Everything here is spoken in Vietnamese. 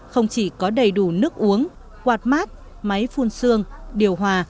không chỉ có đầy đủ nước uống quạt mát máy phun xương điều hòa